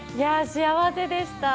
幸せでした。